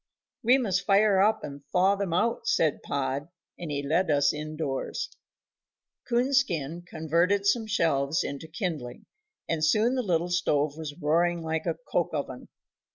"We must fire up, and thaw them out," said Pod, and he led us in doors. Coonskin converted some shelves into kindling, and soon the little stove was roaring like a coke oven.